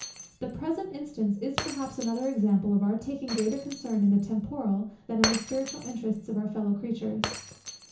The present instance is perhaps another example of our taking greater concern in the temporal, than in the spiritual interests of our fellow creatures.